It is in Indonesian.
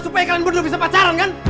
supaya kalian berdua bisa pacaran kan